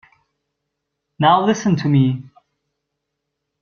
Now listen to me.